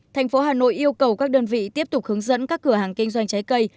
thành phố hà nội yêu cầu các đơn vị tiếp tục hướng dẫn các cửa hàng kinh doanh trái cây